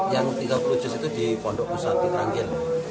yang tiga puluh juz itu di pondok pesantren teranggil